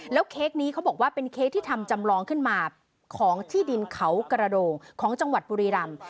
เค้กนี้เขาบอกว่าเป็นเค้กที่ทำจำลองขึ้นมาของที่ดินเขากระโดงของจังหวัดบุรีรำ